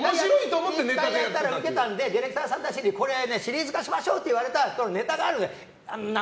１回やったらウケたのでディレクターさんたちにシリーズ化しましょうと言われたネタがあるんですよ。